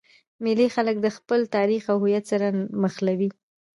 مېلې خلک د خپل تاریخ او هویت سره مښلوي.